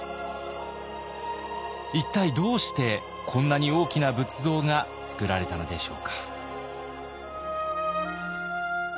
一体どうしてこんなに大きな仏像がつくられたのでしょうか。